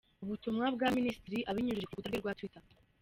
Ubutumwa bwa minisitiri abinyujije kurukuta rwe rwa twitter